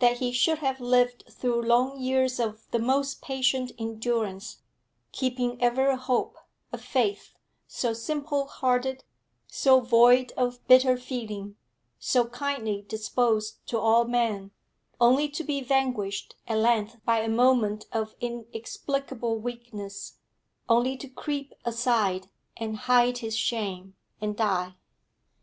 That he should have lived through long years of the most patient endurance, keeping ever a hope, a faith, so simple hearted, so void of bitter feeling, so kindly disposed to all men only to be vanquished at length by a moment of inexplicable weakness, only to creep aside, and hide his shame, and die.